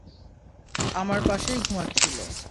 আমার পাশেই ঘুমাচ্ছিল।